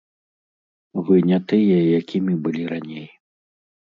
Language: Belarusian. Вы не тыя, якімі былі раней!